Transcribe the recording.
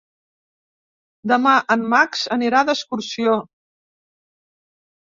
Demà en Max anirà d'excursió.